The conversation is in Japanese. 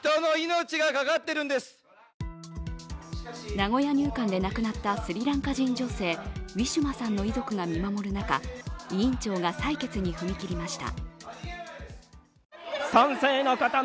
名古屋入管で亡くなったスリランカ人女性、ウィシュマさんの遺族が見守る中、委員長が採決に踏み切りました。